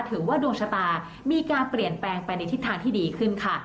ถือว่าดวงชะตามีการเปลี่ยนแปลงไปในทิศทางที่ดีขึ้นค่ะ